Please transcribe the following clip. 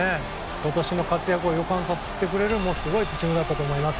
今年の活躍を予感させてくれるピッチングだったと思います。